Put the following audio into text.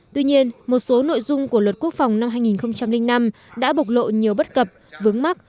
tuy nhiên một số nội dung của luật quốc phòng năm hai nghìn năm đã bộc lộ nhiều bất cập vướng mắt